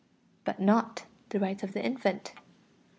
But not the rights of the infant.